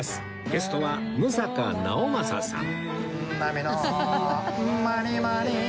ゲストは六平直政さん